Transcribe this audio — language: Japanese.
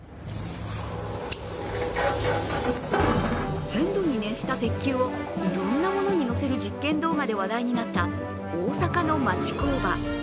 １０００度に熱した鉄球をいろんなものに乗せる実験動画で話題になった大阪の町工場。